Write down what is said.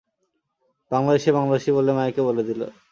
বাংলাদেশি, বাংলাদেশি বলে মাইকে বলে দিল।